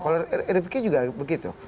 kalau rifqi juga begitu